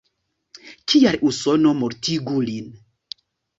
Kial Usono mortigu lin?